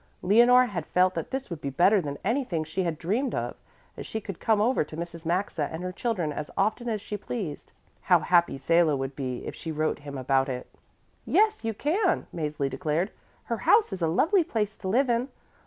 Leonore had felt that this would be better than anything she had dreamed of, as she could come over to Mrs. Maxa and her children as often as she pleased. How happy Salo would be if she wrote him about it. "Yes, you can," Mäzli declared. "Her house is a lovely place to live in.